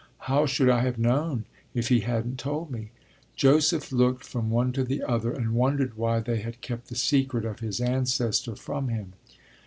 How should I have known if he hadn't told me? Joseph looked from one to the other and wondered why they had kept the secret of his ancestor from him.